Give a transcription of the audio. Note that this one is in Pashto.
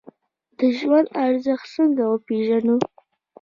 د ژوند ارزښت څنګه وپیژنو؟